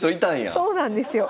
そうなんですよ。